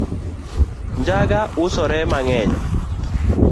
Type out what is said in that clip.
Njaga usore mang'eny